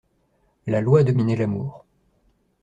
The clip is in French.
La Loi dominait l'amour.